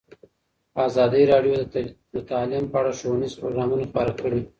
ازادي راډیو د تعلیم په اړه ښوونیز پروګرامونه خپاره کړي.